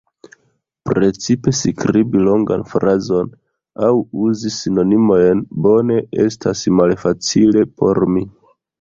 Precipe skribi longan frazon aŭ uzi sinonimojn bone estas malfacile por mi.